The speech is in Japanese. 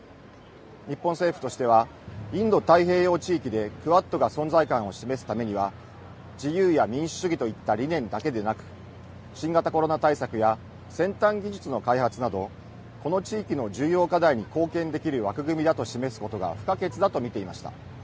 日本政府としては、インド太平洋地域でクアッドが存在感を示すためには、自由や民主主義といった理念だけでなく、新型コロナ対策や先端技術の開発など、この地域の重要課題に貢献できる枠組みだと示すことが不可欠だと見ていました。